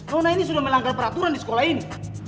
rona ini sudah melanggar peraturan di sekolah ini